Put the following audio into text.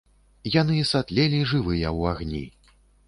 Яны сатлелі жывыя ў агні.